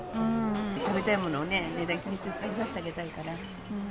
食べたいものをね、値段気にせずに食べさせてあげたいから。